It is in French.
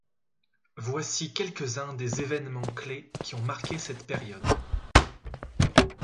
Voici quelques-uns des événements clés qui ont marqué cette période :